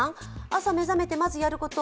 朝目覚めてまずやること